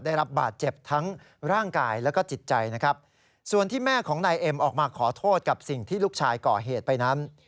ได้รับบาดเจ็บทั้งร่างกายแล้วก็จิตใจนะครับส่วนที่แม่ของนายเอ็มออกมาขอโทษกับสิ่งที่ลูกชายก่อเหตุไปนั้น